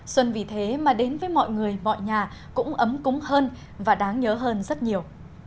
xuân vì thế mà đến với mọi người mọi nhà cũng ấm cúng hơn và đáng nhớ hơn rất nhiều